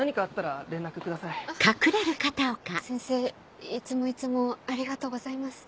はい先生いつもいつもありがとうございます。